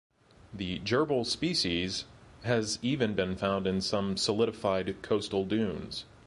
The gerbil species has even been found in some solidified coastal dunes.